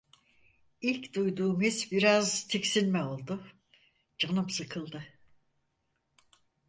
İlk duyduğum his biraz tiksinme oldu. Canım sıkıldı.